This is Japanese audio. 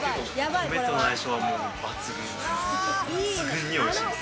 米との相性はもう抜群です。